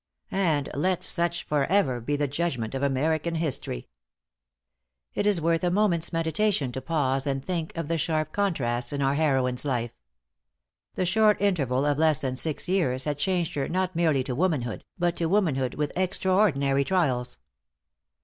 And let such for ever be the judgment of American history. It is worth a moment's meditation to pause and think of the sharp contrasts in our heroine's life. The short interval of less than six years had changed her not merely to womanhood, but to womanhood with extraordinary trials.